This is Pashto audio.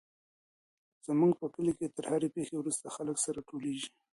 زموږ په کلي کي تر هرې پېښي وروسته خلک سره ټولېږي.